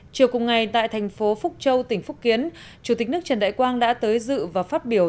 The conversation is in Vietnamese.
chiều cùng ngày tại thành phố phúc châu tỉnh phúc kiến chủ tịch nước trần đại quang đã tới dự và phát biểu